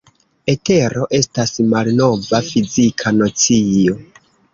Etero estas malnova fizika nocio.